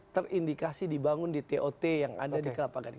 terindikasi dibangun di tot yang ada di kelapa gading